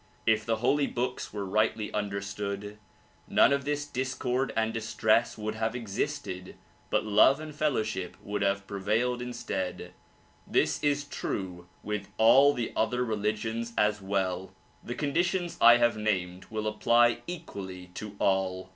If the holy books were rightly undei stood none of this discord and distress would have existed, but love and fellowship would have prevailed instead. This is true with all the other religions as well. The conditions I have named will apply equally to all.